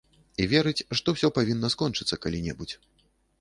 І верыць, што ўсё павінна скончыцца калі-небудзь.